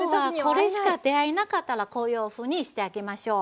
今日はこれしか出会えなかったらこういうふうにしてあげましょう。